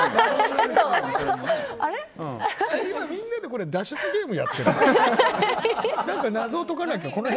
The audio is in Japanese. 今、みんなで脱出ゲームやってるの？